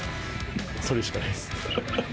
それしかないです。